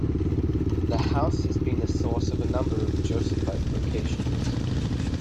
The house has been the source of a number of Josephite vocations.